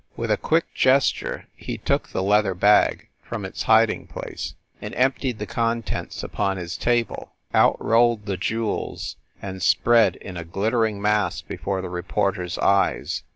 With a quick gesture, he took the leather bag from its hiding place, and emptied the contents upon his table. Out rolled the jewels, and spread in a glit tering mass before the reporter s eyes.